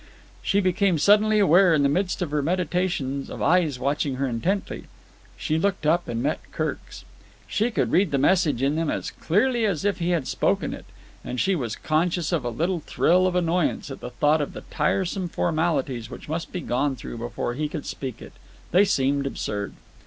She became suddenly aware, in the midst of her meditations, of eyes watching her intently. She looked up and met Kirk's. She could read the message in them as clearly as if he had spoken it, and she was conscious of a little thrill of annoyance at the thought of all the tiresome formalities which must be gone through before he could speak it. They seemed absurd.